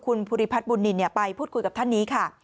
คุณภูริพัฒน์บุญนินไปพูดคุยกับท่านนี้ค่ะ